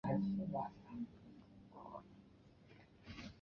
长爪红花锦鸡儿为豆科锦鸡儿属下的一个变种。